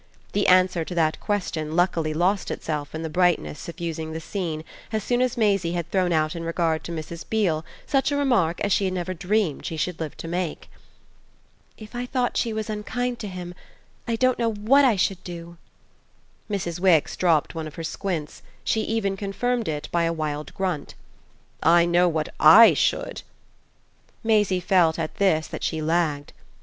The answer to that question luckily lost itself in the brightness suffusing the scene as soon as Maisie had thrown out in regard to Mrs. Beale such a remark as she had never dreamed she should live to make. "If I thought she was unkind to him I don't know WHAT I should do!" Mrs. Wix dropped one of her squints; she even confirmed it by a wild grunt. "I know what I should!" Maisie at this felt that she lagged.